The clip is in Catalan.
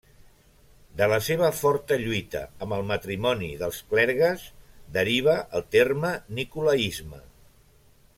De la seva forta lluita amb el matrimoni dels clergues, deriva el terme nicolaisme.